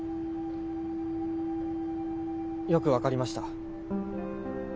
よく分かりました。